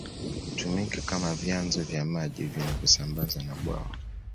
Hutumika kama vyanzo vya maji vinavyosambaza na bwawa